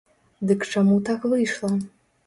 Дык чаму так выйшла?